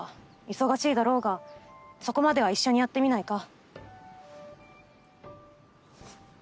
忙しいだろうがそこまでは一緒にやってみないか？